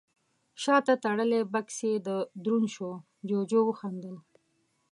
شاته تړلی بکس يې دروند شو، جُوجُو وخندل: